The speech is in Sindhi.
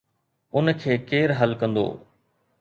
ان کي ڪير حل ڪندو؟